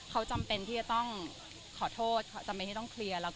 เขาจำเป็นที่จะต้อง